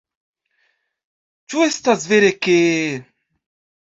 Ĉu estas vere ke...?